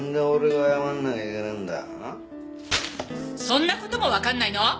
そんな事もわかんないの？